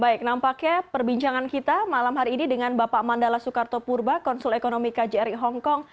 baik nampaknya perbincangan kita malam hari ini dengan bapak mandala soekarto purba konsul ekonomi kjri hongkong